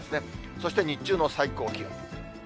そして日中の最高気温。